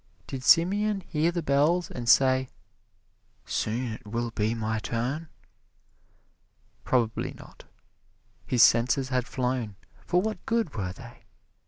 Did Simeon hear the bells and say, "Soon it will be my turn"? Probably not. His senses had flown, for what good were they!